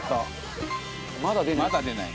まだ出ない。